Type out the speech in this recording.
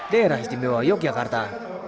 daerah istimewa yogyakarta